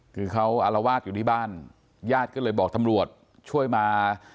คือเขาอารวาสอยู่ที่บ้านญาติก็เลยบอกตำรวจช่วยมา